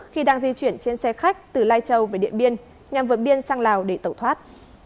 khi đang di chuyển trên xe khách từ lai châu về điện biên nhằm vượt biên sang lào để tẩu thoát